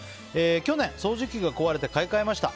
去年、掃除機が壊れて買い替えました。